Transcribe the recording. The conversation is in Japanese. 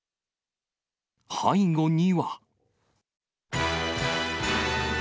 背後には。